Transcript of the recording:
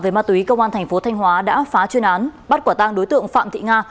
về ma túy công an tp thanh hóa đã phá chuyên án bắt quả tăng đối tượng phạm thị nga